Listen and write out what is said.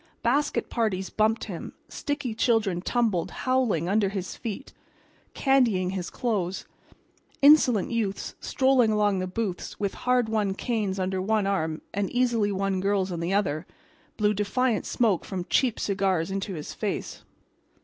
Basket parties bumped him; sticky children tumbled, howling, under his feet, candying his clothes. Insolent youths strolling among the booths with hard won canes under one arm and easily won girls on the other, blew defiant smoke from cheap cigars into his face.